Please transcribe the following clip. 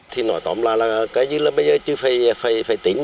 thì nói tóm lại là cái gì là bây giờ chứ phải tính